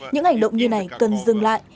những hành động như này cần dừng lại